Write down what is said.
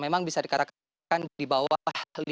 memang bisa dikatakan di bawah